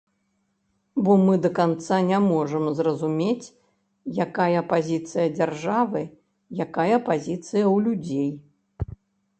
Бо мы да канца не можам зразумець, якая пазіцыя дзяржавы, якая пазіцыя ў людзей.